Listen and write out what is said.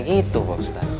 kayak gitu pak ustaz